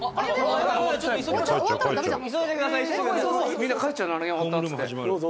「みんな帰っちゃう７限終わったっつって」